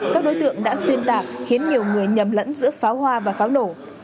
các đối tượng đã xuyên tạc khiến nhiều người nhầm lẫn giữa pháo hoa và pháo nổ